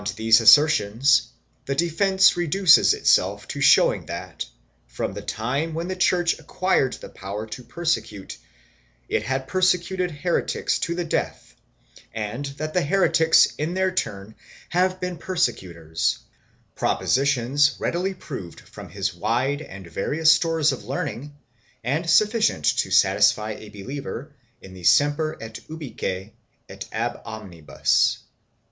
p. xxviii. 320 RELATIONS WITH THE CROWN [BOOK II these assertions, the defence reduces itself to showing that, from the time when the Church acquired the power to persecute, it has persecuted heretics to the death and that the heretics in their turn have been persecutors — propositions readily proved from his wide and various stores of learning and sufficient to satisfy a believer in the semper et ubique et ab omnibus.